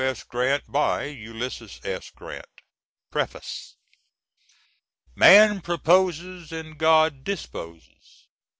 S. GRANT, complete by U. S. Grant PREFACE. "Man proposes and God disposes."